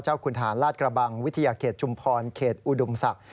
เจ้าคุณฐานลาศกระบังวิทยาเขตจุมพรเขตอุดมศักดิ์